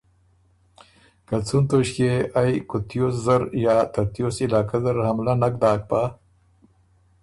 که څُون توݭکيې يې ائ کوتیوس زر یا ترتیوس علاقۀ زر حملۀ نک داک بَۀ